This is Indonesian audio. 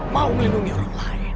mau melindungi orang lain